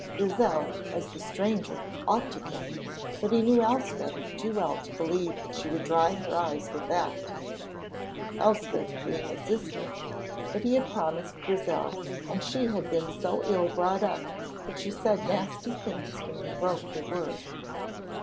Grizel, as the stranger, ought to get But he knew Elspeth too well to believe that she would dry her eyes with that. Elspeth being his sister But he had promised Grizel, and she had been so ill brought up that she said nasty things when you broke your word.